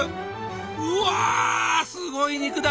うわすごい肉だ！